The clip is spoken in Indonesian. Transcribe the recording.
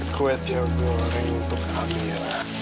kue tiang goreng untuk amira